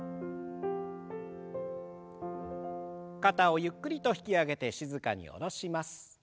肩をゆっくりと引き上げて静かに下ろします。